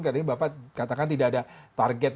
kadang kadang bapak katakan tidak ada target